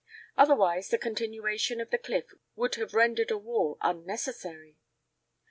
Otherwise, the continuation of the cliff would have rendered a wall unnecessary.